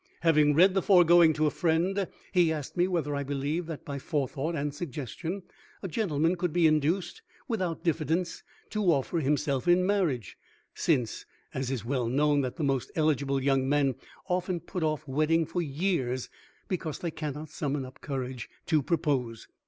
Having read the foregoing to a friend he asked me whether I believed that by Forethought and Suggestion a gentleman could be induced without diffidence to offer himself in marriage, since, as is well known, that the most eligible young men often put off wedding for years because they cannot summon up courage to propose.